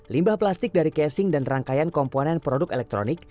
limbah plastik dari casing dan rangkaian komponen produk elektronik